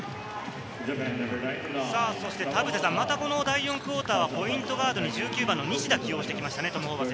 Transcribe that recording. そして田臥さん、第４クオーターはポイントガードに１９番の西田を起用してきましたね。